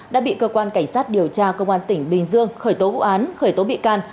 đã bị cơ quan cảnh sát điều tra công an tỉnh bình dương khởi tố vụ án khởi tố bị can